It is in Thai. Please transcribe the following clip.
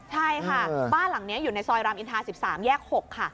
ใช่ค่ะบ้านหลังนี้อยู่ในซอยรามอินทา๑๓แยก๖ค่ะ